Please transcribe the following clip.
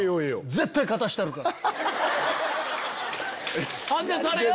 絶対勝たしたるから！